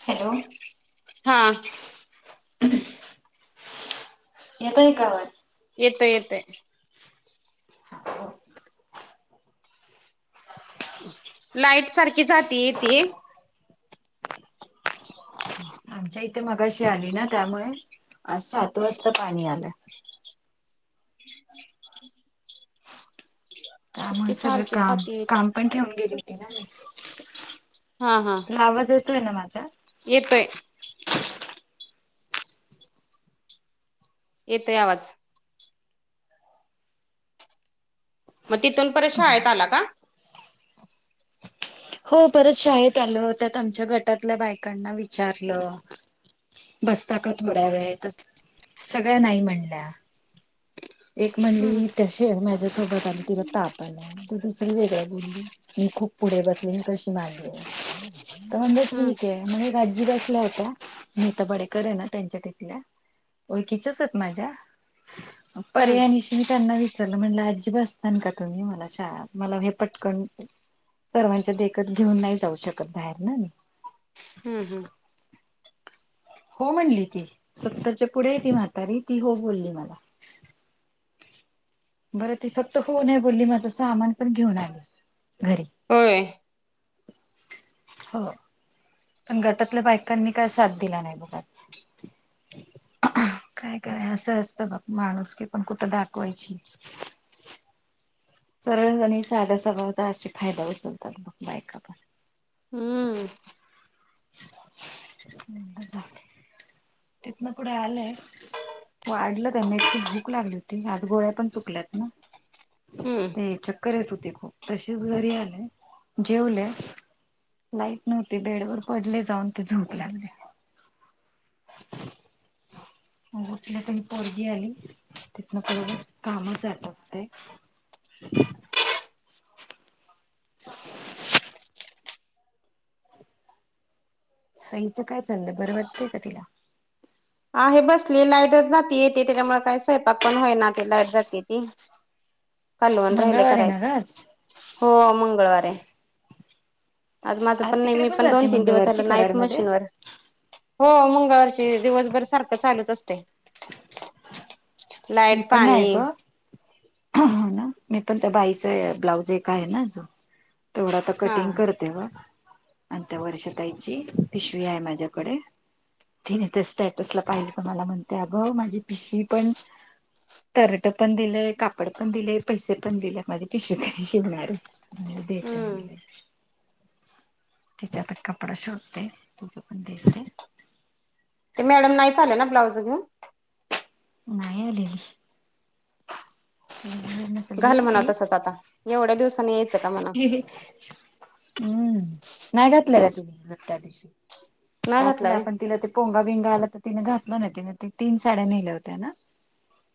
Hello. हा. [inaudible] येतोय का आवाज. येतय येतय. [inaudible] लाईट सारखी जातीय येतीये. [inaudible] [unintelligible] आमच्या इथे मगाशी आली ना त्यामुळे आज सात वासता पाणी आलं. [inaudible] त्यामुळे की सगळं सारखी काम जाते काम पण ठेवून गेली होती ना मी. आवाज येतोय ना माझा? येतंय. येतंय आवाज. मग तिथून परत शाळेत आला का? हो परत शाळेत आलं त्यात आमच्या गटातल्या बायकांना विचारलं. बसता का थोड्या वेळ तर सगळ्या नाही म्हणल्या. एक हम्म म्हणली त्याशी माझ्या सोबत आली तिला ताप आला दुसरी वेगळ बोलली मी खूप पुढे बस कशी मानली तर म्हणलं हम्म ठीक आहे. मग एक आजी बसल्या होत्या नेहता पाडेकर आहे ना त्यांच्या तिथल्या. ओळखीच्याच हायत माझ्या. हम्म पर्यानशी मी त्यांना विचारलं म्हणलं आजी बसताना का तुम्ही मला शाळा मला हे पटकन सर्वांच्या देखत घेऊन नाही जाऊ शकत बाहेर ना मी. हम्म हम्म. हो म्हणली ती, सत्तरच्या पुढे हे ती म्हातारी ती हो बोलली मला. बरं ती फक्त हो नाय बोल्ली माझं सामान पण घेऊन आली घरी. होय. हो. पण गटातल्या बायकांनी काय साथ दिला नाही बघा. काय काय असं असत बघ माणूस की पण कुठं दाखवायची सरळजणी साध्या स्वभावाचा असे फायदा उचलतात मग बायका पण. हम्म. तिथन पुढे आलेय. वाढलं त्यांना इतकी भूक लागली होती आज गोळ्या पण चुकल्यात ना. हम्म ते चकर येथ होती खुप. तसीच घरी आले जेवले लाईट नव्हती बेडवर पडले जाऊन ते झोप लागली. चला त मही पोरगी आली तिथनं पुढ कामच जात ते [unintelligible] [inaudible] [unintelligible] सईचं काय चाललंय बरं वाटतंय का तिला? आहे बसली लाईटच जाते येते त्याच्यामुळे काय स्वयंपाक पण होईना ते लाईट जात ती. कालवण राहिलय मंगळवार आहे ना करायच गं आज? हो मंगळवारी आहे आज माझं पण नाही तिकडे मी पण जाते दोन तीन दिवस मंगळवारची झाल नाहीच कराडमध्ये मशीनवर. हो मंगळवारची दिवसभर सारखं चालूच असतय. मी पण नाही आहे ग. ह ना मी पण त्या बाईच ब्लाऊज एक आहे ना जो तेवढा आता हा कटिंग करत तेव्हा आणि त्या वर्षताईची पिशवी आहे माझ्याकडे. तिने ते स्टेटसला पाहिलं तर मला म्हणत्या, अग माझी भिशीपण तरट पण दिलंय कापड पण दिलेय पैसे पण दिले माझे पिशवित शिवणारे म्हणल देते हम्म म्हणलं. तिचे आता कपडा शोधते, तुम्ही पण द्यायचं काय. ते मॅडम नाहीच आल्या ना ब्लाउज घेऊन? नाही आलेली. ते [unintelligible] घाल म्हणाव तसंच आता एवढ्या दिवसानीे येत ह ह ह... हम्म नाही घातल्या का तिने त्या दिवशी. नाही घातला टचलं व्हय आपण तिला ते पोंगा बिंगा आला तर तिने घातल नाही तिने त तीन साड्या नेल्या होत्या ना?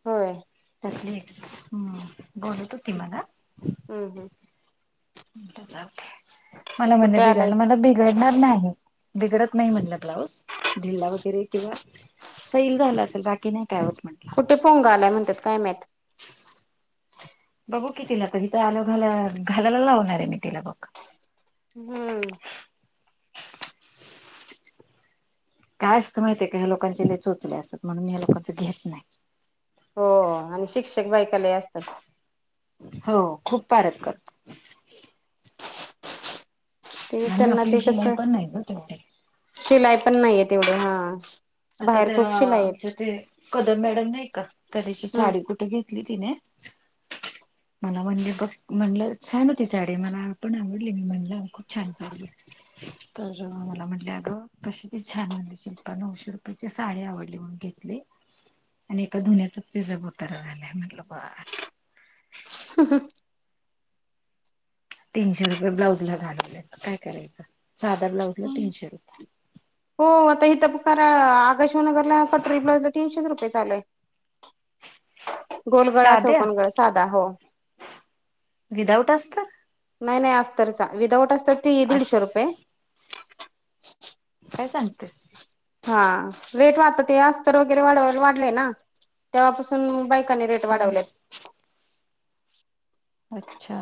होय. [unintelligible] हम्म बोलत होती मला. हं हं. म्हणले जावू दे, मला म्हणले कुठे आलाय बिघाडला मला बि बिघडणार नाही बिघडत नाही म्हणलं, ब्लाऊज ढिला वगैरे किंवा. सैल झालं असलं, बाकी नाही काय होत म्हटलं. कुठे पोंगा आलंय, म्हणत्यात काय माहित. बघू कि तिला तर इथे आलो घा, घालायला लावणार आहे मी तिला बघ. हम्म. काय असतं माहितीय का, ह्या लोकांचे चोचले असतात म्हणून मी ह्या लोकांंच घेत नाही. हो हो. आणि शिक्षक बायका लै असत्यात. हो खूप पारक कर. ते आणि त्यांना आपली ते शिलाई कसं, पण नाही ग तेवढी शिलाई पण नाही येत तेवढं हा. आता बाहेर त्या खूप शिलाई आहेत आमच्या ते कदम मॅडम नाही का, त्या दिवशी हम्म साडी कुठे घेतली. ती तिने. मला म्हणले बघ म्हणलं छान होती साडी, मला पण आवडली मी म्हणलं खूप छान साडी. तर मला म्हटले अगं, कशी त छान म्हणजे [unintelligible] त्यांची साडी आवडली म्हणून घेतली. आणि एका धुन्यातच तिचा बोतारा झालायं म्हंटल बर. [unintelligible] तीनशे रुपये ब्लाऊजला घालवलेत, काय करायचं साधा ब्लाऊज ला तीनशे रुपये. हो आता इथं करा, आकाशवाणीनगरला कटोरी ब्लाऊजला तीनशेच रुपये चालेय. गोलगळा साध्या चौकनगळा साधा हो. विदाऊट असतात नाही नाही अस्तार चा, विदाऊट अस्तर ते आज दीडशे रुपये. काय सांगतेस. हा रेट वाढतात अस्तर वगैरे वाढलेय ना, तेव्हापासून बायकांनी रेट. [unintelligible] हा वाढवलेत. अच्छा.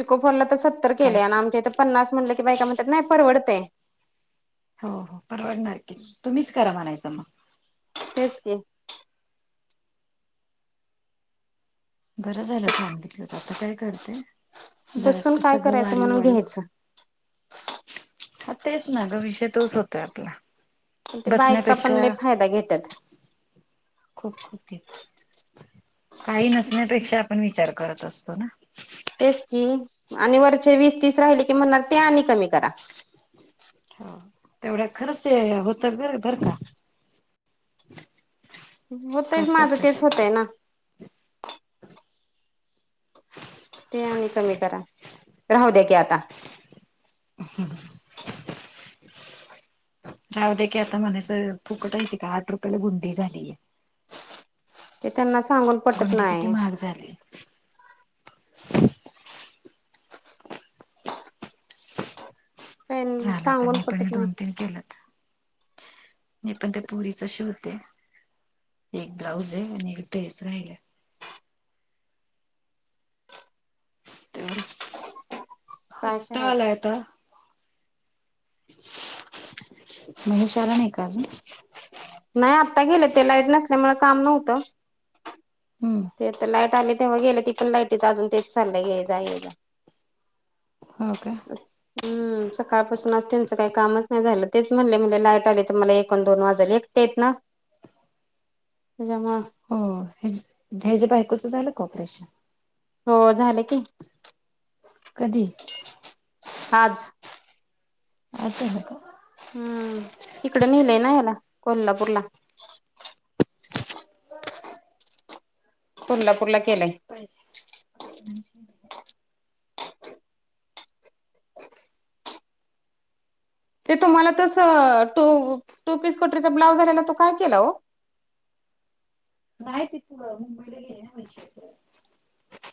पिको फॉल तर सत्तर काय केलेय, आणि आमच्या इथं पन्नास म्हटलं की बायका म्हणत्यात नाय परवडतेय. हो हो. परवडणार की तुम्हीच, करा म्हणायचं मग. तेच की. बर झालं सांगितलंस, आता काय करते. जरा बसून आता, काय सगळं करायचं वाढीव म्हणून वाढीव. घ्यायचं हा तेच ना गं, विषय तोच होतंय आपला. ते बायका बसण्यापेक्षा पण लय फायदा घेत्यात. खूप खूप ते तर. काही नसण्यापेक्षा आपण विचार करत असतो ना. तेच की आणि वरचे वीस तीस राहिले की, म्हणणार ते आणि कमी करा. हा तेवढ्या खरंच ते होतात बर बर का. होतंय करतात माझं तेच, तशा त्या. होतंय ना. ते आणि कमी करा, राहू दे की आता. [unintelligible] राहू दे की आता म्हणायचं, फुकट हाय तका आठ रुपयाला गुंडी झालीय. ते त्यांना सांगून. पटत गुंडी किती नाही महाग झालीयं. झाला तर सांगून मी पण हे पटत नाही दोन तीन केलंत, मी पण ते पुरीच शिवते. एक ब्लाऊज आहे आणि एक ड्रेस स राहिलाय. तेवढंच काय हप्ता आलाय करायचं आता. महेश आला नाही का अजून. नाही आता गेले ते, लाईट नसल्यामुळं काम नव्हतं. हम्म.. ते तर लाईट आले तेव्हा गेलेत तिथ पासून लाईटीच अजून तेच चाललंय येजा येजा. हो का. [inaudible] हम्म सकाळपासून आज त्यांचं काही कामच नाही झालय तेच म्हणाले म्हटले लाईट आली तर मला एकोण दोन वाजाले एकटेच आहेत ना. [unintelligible] त्याच्यामुळं. हो ह्याज ह्याच्या बायकोचं झालं का ऑपरेशन? हो झाल की. कधी? आज. आज झाल का? हम्म तिकडे नेलंय ना याला कोल्हापूरला. कोल्हापूरला केलाय. [unintelligible] ते तुम्हाला तस टू टू पीस कोटरीचा ब्लाउज आलेला तो काय? केला हो. नाही तिथ मुंबईला गेलीय ना वैशाली कड.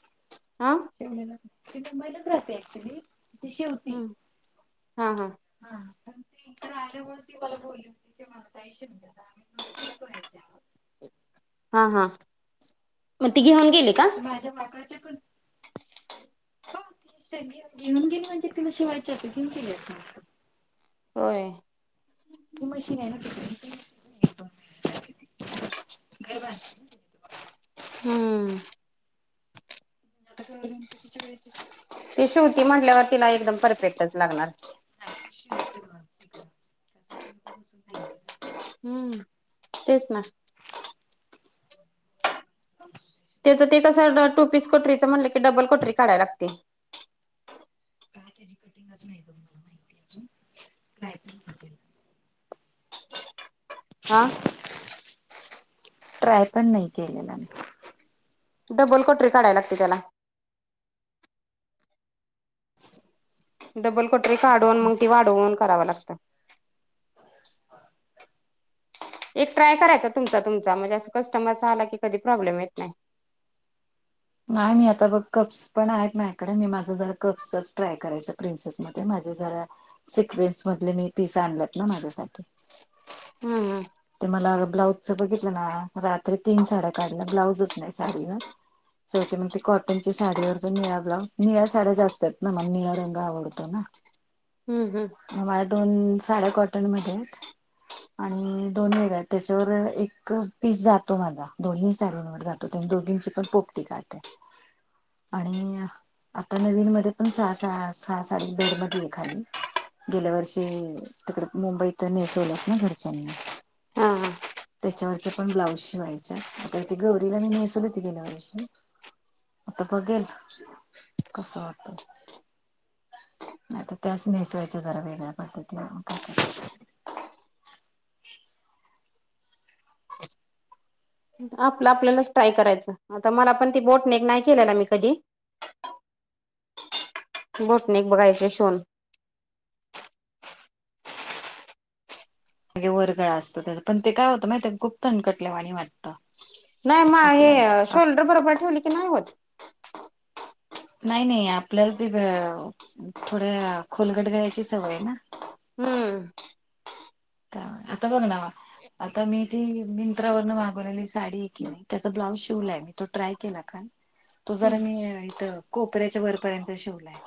आं? ती मुंबईलाच राहते ऐक्च्युली. हम्म हा हा. हा पण ते इकड आल्यामुळे ती मला बोली होती [unintelligible] हा हा मग ती हा घेऊन गेले का? तर माझ्या बाकड्याचे पण हो तीे घेऊन गेली म्हणजे तिला शिवायचे असनार घेऊन गेली असणार. होय. ती मशीन हाय ना तिकडे. घर बांधलंय ना तिने [unintelligible] तुम्हाला हम्म आता गौर गणपतीच्या वेळेस येते. ती शेवती म्हणल्यावर तिला एकदम परफेक्टच लागणार. नाही शिवते ब तिकडं ते लोक बसून नाही तिकड. हम्म तेच ना. त्याचं ते कसं टू पीस कोटरीचं म्हटलं की डबल कोटरी काढायला लागते. काय त्याची कटिंगच नाही बघ मला माहिती अजून काय? पण [unintelligible] [inaudible] हा. ट्राय पण नाही केलेला मी. डबल कटोरी काढाया लागते त्याला. डबल कटोरी काढून, बघू मग ती आता वाढवून कराव लागतं. एक ट्राय करायचा तुमचा, तुमचा, म्हणजे असं कस्टमरचा आला की कधी प्रॉब्लेम येत नाही. नाही, मी आता बघ, कप्स पण आहेत माझ्याकडे. मी माझं जरा कप्सच ट्राय करायच, प्रिन्सेसमध्ये माझे जरा सिक्वेन्स मधले मी पीस आणलेत ना माझ्यासाठी. हम्म हम्म. ते मला ब्लाउजचं बघितलं ना? रात्री तीन साड्या काढल्या, ब्लाउजच नाही साडीला. शेवटी मग ती कॉटनची साडीवरचा निळा ब्लाउज, निळ्या साड्या जास्त आहेत ना, मग निळ रंग आवडतो ना. हम्म हम्म. मग माझ्या दोन साड्या कॉटनमध्ये आहेत आणि दोन वेगळ्या, त्याच्यावर एक पीस जातो माझा, दोन्ही साड्यांवर जातो. त्या दोघींची पण पोपटी काठ आणि आता नवीनमध्ये पण सहा- सहा- सहा साडी [unintelligible] बेड मध्ये आहे एखादी. गेल्या वर्षी तिकडे मुंबईत नेसवल्यात ना घरच्यांनी. हा हा त्याच्यावरच्या पण ब्लाऊज शिवायच्या आता ते गौरीला नेसवलेत मी गेल्या वर्षी. आता बघेल कस होतय. आता त्याच नेसायच्या जरा वेगळ्या पद्धतीने मग काय? [inaudible] आपलं आपल्यालाच ट्राय करायचं, आता मला पण ती बोटनेक नाही केला ना मी कधी. बोटनेक बघायचे शिवून. हे वर गळा असतो तेज, पण काय होतं माहिती आहे का खूप तनकटल्यावाणी वाटतं. नाही म हे आपल्याला. शोल्डर बरोबर ठेवली की नाही होत. नाही नाही आपल्याला पण भी थोड्या खोलगट गळयाची सवय आहे ना. हम्म आता आता बघ नवा, आता मी ती मिंत्रावरनं मागवलेली साडी हाय की नाही. त्याचा ब्लाऊज शिवलाय तो ट्राय केला काल. तो जरा हम्म मी इथं कोपऱ्याच्या वरपर्यंत शिवलाय.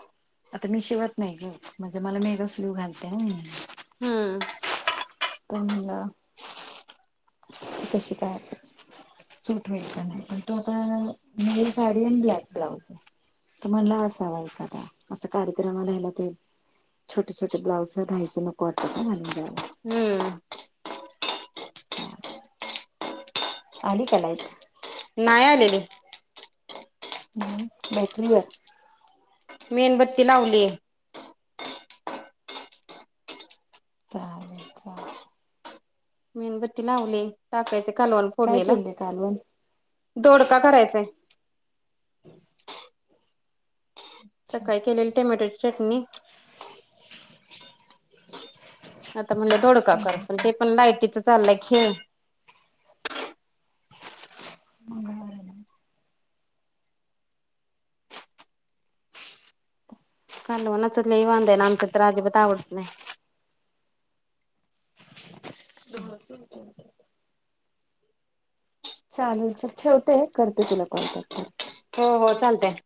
आता मी शिवत नाही की म्हणजे मला मेग स्लीव्ह घालते मी. हम्म कुणाला? कसं काय? सूट मिळताना प तो आता नेल साडी आणि ब्लॅक ब्लाऊज आहे. तो म्हणला असावा एखादा, असा कार्यक्रमला हेला ते छोटे छोटे ब्लाऊज घ्यायचं नको वाटत ना मला [unintelligible] हम्म. त्या आली का लाईट? नाही आलेली. हम् भेटली ग मेणबत्ती लावली. चालेल चालेल. मेणबत्ती लावली टाकायचे कालवण. काय फोडणीला केलय कालवण दोडका करायचांय. हम् सकाळी केलेली टोमॅटोची चटणी. आता म्हणलं दोडका कर, केले पण होते ते पण लायटीचं चाललंय खेळ. [unintelligible] कालवणाच लय वांद हाय आन आमच्यात तर अजीबात आवडत नाही. [inaudible] चालेल चल ठेवते करते तुला कॉल बॅक परत. हो हो चालतंय.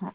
हा.